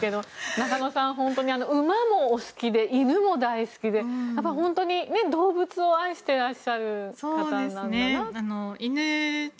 中野さん、馬もお好きで犬も大好きで、本当に動物を愛している方なんだと。